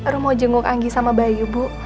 rum mau jenguk anggi sama bayu bu